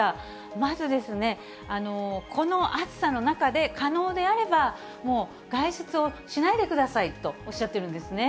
まずこの暑さの中で可能であれば、もう、外出をしないでくださいと、おっしゃってるんですね。